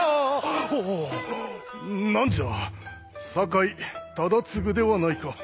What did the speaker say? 何じゃ酒井忠次ではないか。